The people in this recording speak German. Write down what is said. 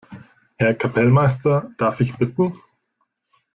Herr Kapellmeister, darf ich bitten?